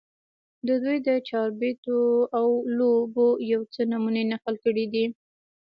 د دوي د چاربېتواو لوبو يو څو نمونې نقل کړي دي